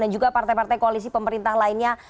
dan juga partai partai koalisi pemerintah lainnya